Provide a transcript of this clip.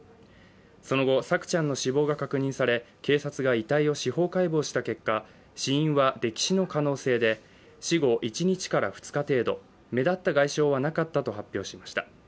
その後、朔ちゃんの死亡が確認され、警察が遺体を司法解剖した結果死因は溺死の可能性で、死後１日から２日程度、目立った外傷はなかったと発表しました。